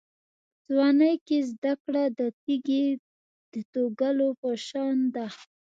په ځوانۍ کې زده کړه د تېږې د توږلو په شان ده.